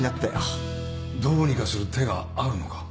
どうにかする手があるのか？